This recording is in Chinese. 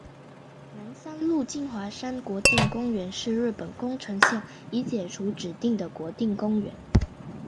南三陆金华山国定公园是日本宫城县已解除指定的国定公园。